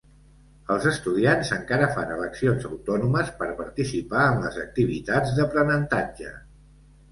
Els estudiants encara fan eleccions autònomes per participar en les activitats d'aprenentatge.